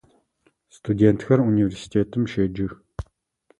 Студентхэр университетым щеджэх.